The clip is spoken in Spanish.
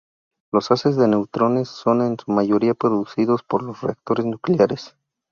Los haces de neutrones son en su mayoría producidos por los reactores nucleares.